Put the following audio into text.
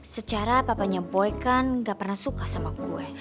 secara papanya boy kan gak pernah suka sama kue